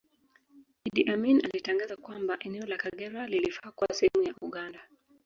Idi Amin alitangaza kwamba eneo la Kagera lilifaa kuwa sehemu ya Uganda